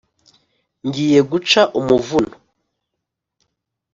ngiye guca umuvuno